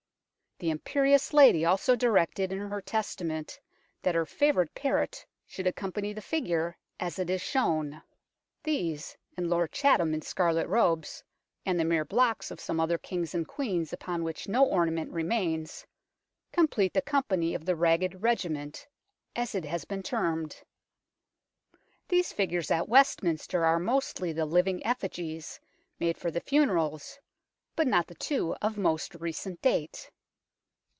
The imperious lady also directed in her testament that her favourite parrot should accompany the figure, as it is shown. These and Lord Chatham in 200 UNKNOWN LONDON scarlet robes, and the mere blocks of some other Kings and Queens upon which no ornament remains, complete the company of the " Ragged Regiment," as it has been termed. These figures at Westminster are mostly the " living effigies " made for the funerals, but not the two of most recent date.